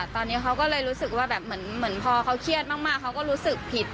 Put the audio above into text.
ตอนนี้เขาก็เลยรู้สึกว่าแบบเหมือนพอเขาเครียดมากเขาก็รู้สึกผิด